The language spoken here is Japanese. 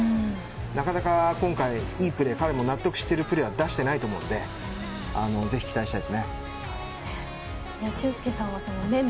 なかなか今回いいプレー彼も納得しているプレーは出してないと思うのでぜひ期待したいですね。